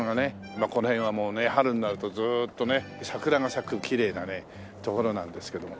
まあこの辺はもうね春になるとずーっとね桜が咲くきれいな所なんですけども。